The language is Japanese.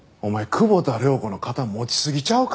久保田涼子の肩持ちすぎちゃうか？